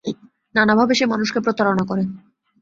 নানানভাবে সে মানুষকে প্রতারণা করে।